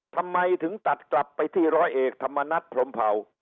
ทำไมถึงตัดกลับไปที่ร้อยเอกธรรมนัฐพรมเผา